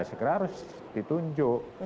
segera harus ditunjuk